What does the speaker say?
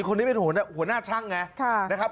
คนนี้เป็นหัวหน้าช่างไงนะครับ